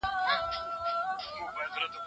لکه په کلي کي بې کوره ونه